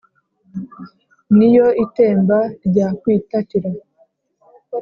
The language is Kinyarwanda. niyo itemba rya kwitatira